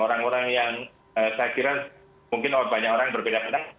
orang orang yang saya kira mungkin banyak orang berbeda beda